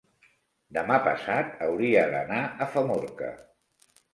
Demà passat hauria d'anar a Famorca.